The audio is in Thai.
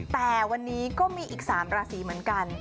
แต่วันนี้ก็มีอีก๓ราศีเหมือนกัน